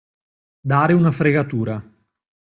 Dare una fregatura.